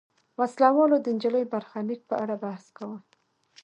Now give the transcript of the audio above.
وسله والو د نجلۍ برخلیک په اړه بحث کاوه.